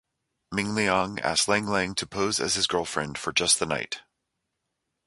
Mingliang asks Lang Lang to pose as his girlfriend for just the night.